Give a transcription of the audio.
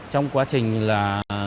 trong quá trình là